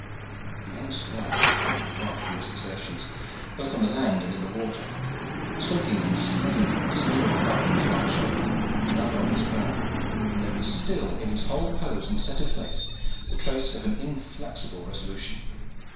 The young squire was deadly white from his exertions, both on the land and in the water. Soaking and stained, with a smear of blood on his white shoulder and another on his brow, there was still in his whole pose and set of face the trace of an inflexible resolution.